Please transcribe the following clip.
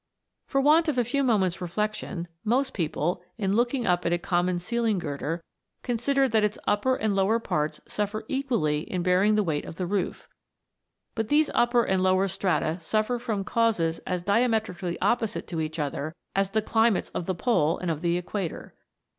For want of a few moments' reflection most people, in looking up at a common ceiling girder, consider that its upper and lower parts suffer equally in bearing the weight of the roof; but these upper and lower strata suffer from causes as diametrically opposite to each other as the climates of the pole and of the equator.